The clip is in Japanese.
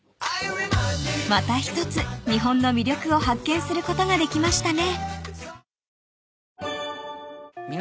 ［また一つ日本の魅力を発見することができましたね］